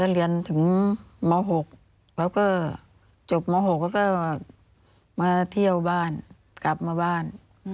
เรียนถึงม๖แล้วก็จบม๖แล้วก็มาเที่ยวบ้านกลับมาบ้าน